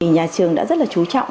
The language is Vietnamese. nhà trường đã rất là chú trọng